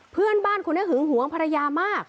เพื่อนบ้านคนนี้หึงหวงภรรยามาก